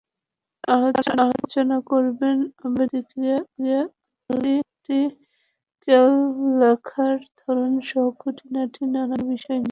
তাঁরা আলোচনা করবেন আবেদন-প্রক্রিয়া, আর্টিকেল লেখার ধরনসহ খুঁটিনাটি নানা বিষয় নিয়ে।